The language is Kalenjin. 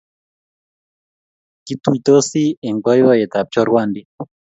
Kituitosi eng boiboyet ab choruandit